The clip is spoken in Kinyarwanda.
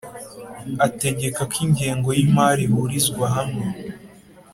Ategeka ko ingengo y imari ihurizwa hamwe